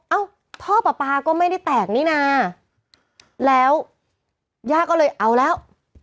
เอ้าท่อปลาปลาก็ไม่ได้แตกนี่นะแล้วย่าก็เลยเอาแล้ว